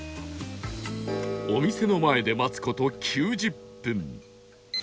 お店の前で待つ事９０分